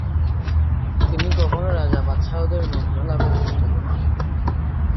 তিনি কখনাে রাজা-বাদশাহদের অনুগ্রহ লাভের চেষ্টা করেন নি।